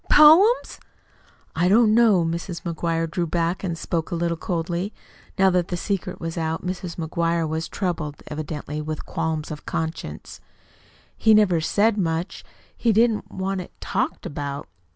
Poems?" "I don't know." Mrs. McGuire drew back and spoke a little coldly. Now that the secret was out, Mrs. McGuire was troubled evidently with qualms of conscience. "He never said much. He didn't want it talked about."